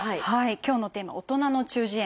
今日のテーマ「大人の中耳炎」。